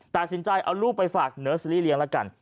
ตัดสินใจเอาลูกไปฝากเนอร์ซีรีสเลี้ยละกัน